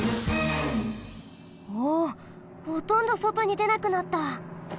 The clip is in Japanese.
おおほとんどそとにでなくなった！